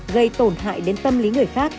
gây tổn hại đến tâm lý người khác